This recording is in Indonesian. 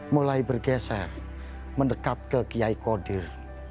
mulai bergeser mendekat ke kiai kodir